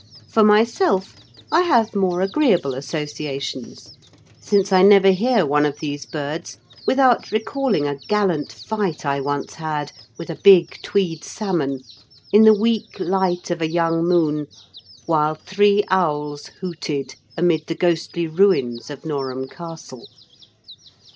For myself I have more agreeable associations, since I never hear one of these birds without recalling a gallant fight I once had with a big Tweed salmon in the weak light of a young moon, while three owls hooted amid the ghostly ruins of Norham Castle.